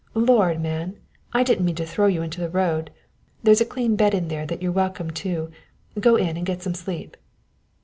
"Lord, man! I didn't mean to throw you into the road! There's a clean bed in there that you're welcome to go in and get some sleep."